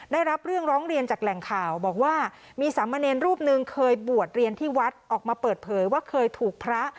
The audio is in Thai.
ได้รับเรื่องร้องเรียนจากแหล่งข่าวบอกว่ามีสามเณรรูปหนึ่งเคยบวชเรียนที่วัดออกมาเปิดเผยว่าเคยถูกพระ